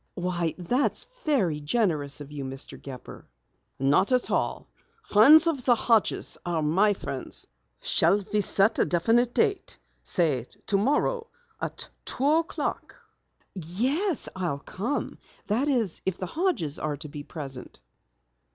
"Why, that's very generous of you, Mr. Gepper." "Not at all. Friends of the Hodges are my friends. Shall we set a definite date say tomorrow at two o'clock?" "Yes, I'll come. That is, if the Hodges are to be present."